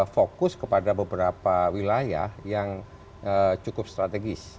fokus kepada beberapa wilayah yang cukup strategis